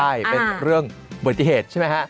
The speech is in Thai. อ่าใช่เป็นเรื่องบทที่เหตุใช่ไหมฮะ